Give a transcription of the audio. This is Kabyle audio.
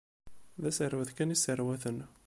D aserwet kan i sserwaten.